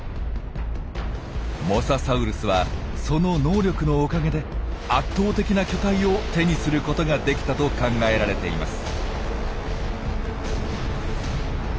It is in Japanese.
モササウルスはその能力のおかげで圧倒的な巨体を手にすることができたと考えられています。